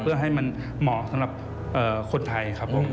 เพื่อให้มันเหมาะสำหรับคนไทยครับผม